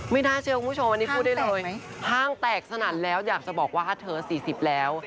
น่าเชื่อคุณผู้ชมอันนี้พูดได้เลยห้างแตกสนั่นแล้วอยากจะบอกว่าเธอ๔๐แล้ว